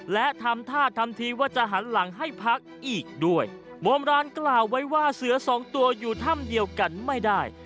และทำท่าทำทีว่าจะหันหลังให้พักอีกด้วยโมมร้านกล่าวไว้ว่าเสือสองตัวอยู่ถ้ำเดียวกันไม่ได้